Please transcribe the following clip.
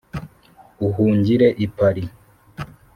uhungire i paris